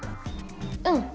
うん。